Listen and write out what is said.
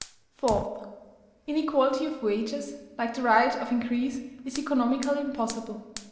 4. Inequality of wages, like the right of increase, is economically impossible.